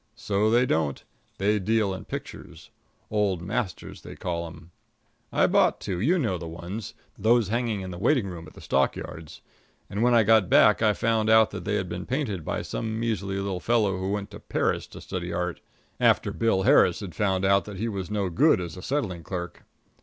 So they don't. They deal in pictures old masters, they call them. I bought two you know the ones those hanging in the waiting room at the stock yards; and when I got back I found out that they had been painted by a measly little fellow who went to Paris to study art, after Bill Harris had found out that he was no good as a settling clerk.